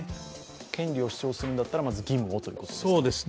権利を主張するなら、まず義務をということですね。